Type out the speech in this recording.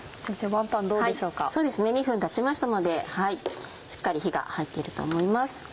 そうですね２分たちましたのでしっかり火が入ってると思います。